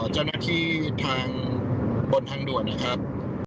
เจ้าหน้าที่ทางบนทางด่วนนะครับ